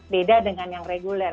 beda dengan yang reguler